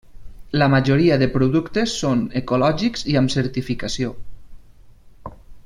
La majoria de productes són ecològics i amb certificació.